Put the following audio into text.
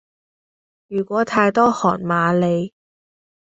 如果太多韓瑪利